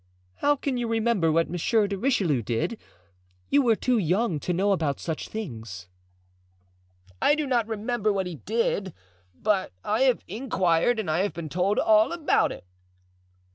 "How can you remember what Monsieur de Richelieu did? You were too young to know about such things." "I do not remember what he did, but I have inquired and I have been told all about it."